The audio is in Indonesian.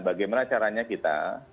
bagaimana caranya kita